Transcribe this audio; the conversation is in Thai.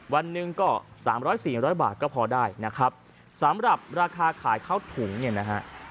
วันหนึ่งก็๓๐๐๔๐๐บาทก็พอได้นะครับสำหรับราคาขายข้าวถุงเนี่ยนะฮะ